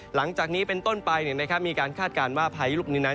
หลังจากนี้เป็นต้นไปมีการคาดการณ์ว่าพายุลูกนี้นั้น